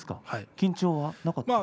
緊張はなかったんですか？